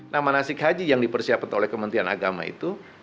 nah manasik haji yang dipersiapkan oleh kementerian agama itu